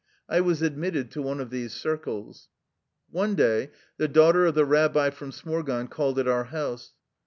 I was admitted to one of these circles. One day the daughter of the rabbi from Smor gon called at our house.